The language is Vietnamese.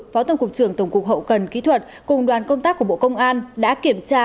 phó tổng cục trưởng tổng cục hậu cần kỹ thuật cùng đoàn công tác của bộ công an đã kiểm tra